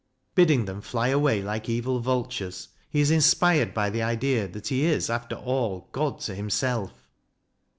Bidding them fly away like evil vultures, he is inspired by the idea that he is, after all, God to himself.